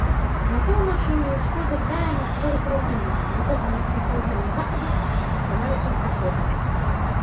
На поўначы і ўсходзе края мясцовасць раўнінная, на поўдні і паўднёвым захадзе распасціраюцца ўзгоркі.